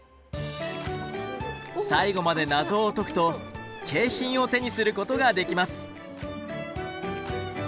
最後まで謎を解くと景品を手にすることができます。